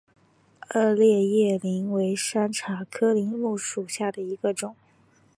二列叶柃为山茶科柃木属下的一个种。